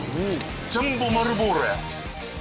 ジャンボ丸ボーロや。